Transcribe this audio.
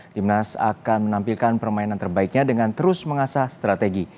timnas akan menampilkan permainan terbaiknya dengan terus mengasah strategi